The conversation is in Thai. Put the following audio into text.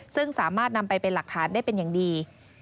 ซึ่งสามารถนำไปเป็นหลักฐานได้เป็นอย่างดี